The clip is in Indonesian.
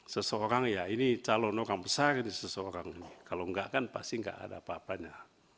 seseorang ya ini calon orang besar ini seseorang ini kalau enggak kan pasti nggak ada apa apanya